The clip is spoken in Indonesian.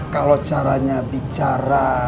kalau caranya bicara